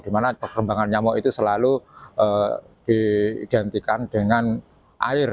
di mana perkembangan nyamuk itu selalu diidentikan dengan air